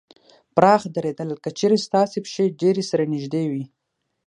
پراخ درېدل : که چېرې ستاسې پښې ډېرې سره نږدې وي